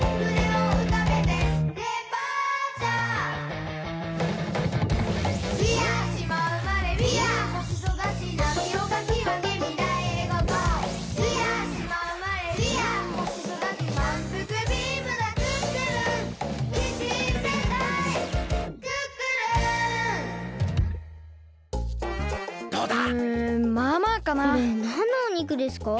これなんのお肉ですか？